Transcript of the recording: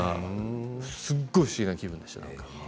すごく不思議な気分でした。